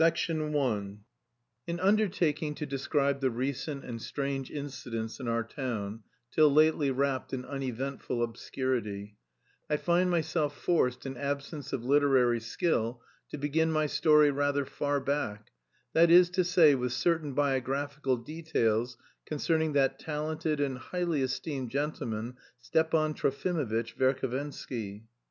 I IN UNDERTAKING to describe the recent and strange incidents in our town, till lately wrapped in uneventful obscurity, I find myself forced in absence of literary skill to begin my story rather far back, that is to say, with certain biographical details concerning that talented and highly esteemed gentleman, Stepan Trofimovitch Verhovensky.